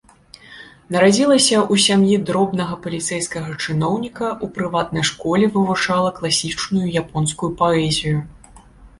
Нарадзілася ў сям'і дробнага паліцэйскага чыноўніка, у прыватнай школе вывучала класічную японскую паэзію.